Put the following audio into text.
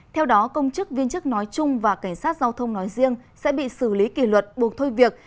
theo đó công chức viên chức nói chung và cảnh sát giao thông nói riêng sẽ bị xử lý kỷ luật buộc thôi việc